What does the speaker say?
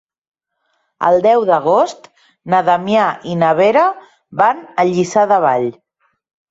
El deu d'agost na Damià i na Vera van a Lliçà de Vall.